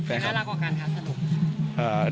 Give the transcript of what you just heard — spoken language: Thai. น่ารักกว่ากันคะสรุป